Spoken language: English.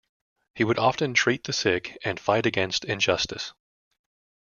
He would often treat the sick and fight against injustice.